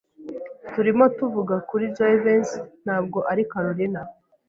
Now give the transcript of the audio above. Turimo tuvuga kuri Jivency, ntabwo ari Kalorina.